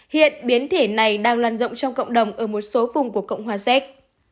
hiện biến thể này đang lan rộng trong cộng đồng ở một số vùng của cộng hòa z